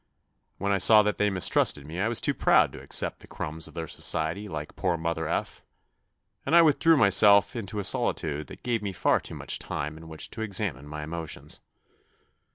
When I saw that they mistrusted me I was too proud to accept the crumbs of their society like poor mother F , and 1 withdrew myself into a solitude that gave me far too much time in which to examine my emotions.